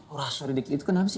orang suri dikit itu kenapa sih